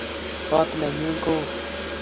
kot nenyu ko oo